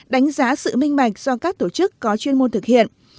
đánh giá sự minh bạch do các tổ chức có chuyên môn thực hiện